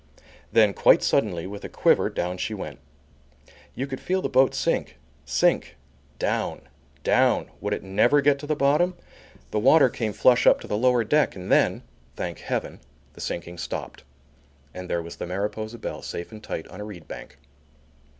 Then, quite suddenly, with a quiver, down she went. You could feel the boat sink, sink, down, down, would it never get to the bottom? The water came flush up to the lower deck, and then, thank heaven, the sinking stopped and there was the Mariposa Belle safe and tight on a reed bank.